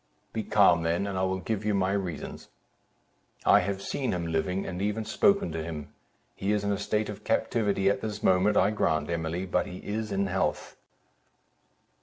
"Be calm then, and I will give you my reasons; I have seen him living, and even spoken to him; he is in a state of captivity at this moment, I grant, Emily; but he is in health."